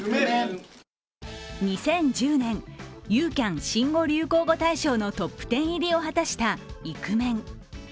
２０１０年、ユーキャン新語・流行語大賞のトップ１０入りを果たした、「イクメン」。